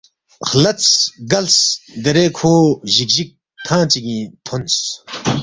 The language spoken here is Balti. خلدس گلس دیرے کھو جِگجِگ تھنگ چِگِنگ تھونس